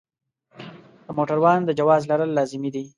د موټروان د جواز لرل لازمي دي.